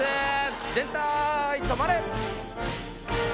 全体止まれ！